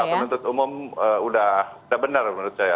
jaksa menuntut umum sudah benar menurut saya